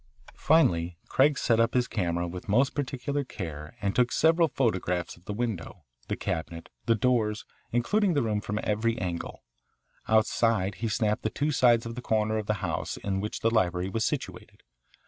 Finally Craig set up his camera with most particular care and took several photographs of the window, the cabinet, the doors, including the room from every angle. Outside he snapped the two sides of the corner of the house in which the library was situated.